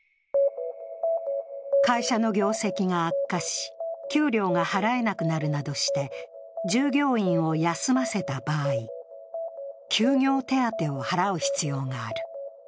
会社の業績が悪化し、給料が払えなくなるなどして従業員を休ませた場合、休業手当を払う必要がある。